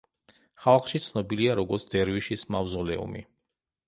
ხალხში ცნობილია როგორც „დერვიშის“ მავზოლეუმი.